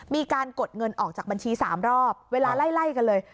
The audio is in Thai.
มีการกดเงินออกจากบัญชีสามรอบเวลาไล่ไล่กันเลย